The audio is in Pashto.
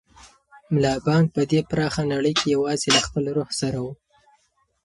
ملا بانګ په دې پراخه نړۍ کې یوازې له خپل روح سره و.